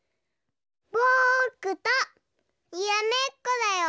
ぼくとにらめっこだよ！